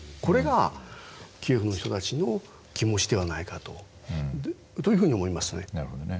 これがキエフの人たちの気持ちではないかというふうに思いますね。